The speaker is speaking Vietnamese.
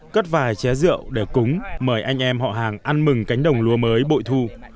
cất vài ché rượu để cúng mời anh em họ hàng ăn mừng cánh đồng lúa mới bội thu